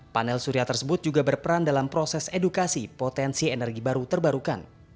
panel surya tersebut juga berperan dalam proses edukasi potensi energi baru terbarukan